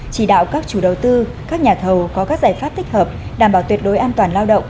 chỉ đạo các chủ đầu tư các nhà thầu có các giải pháp thích hợp đảm bảo tuyệt đối an toàn lao động